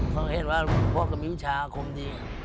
เขาเห็นว่าพ่อก็มีวิชาอาคมดี